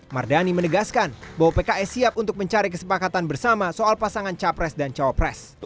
mardani menegaskan bahwa pks siap untuk mencari kesepakatan bersama soal pasangan capres dan cawapres